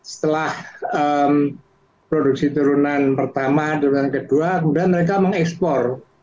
setelah produksi turunan pertama turunan kedua kemudian mereka mengekspor